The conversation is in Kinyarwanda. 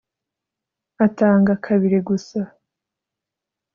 atanga kabiri gusa